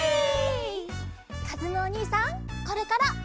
かずむおにいさんこれから。